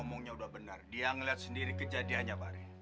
ayo pelan pelan sederhana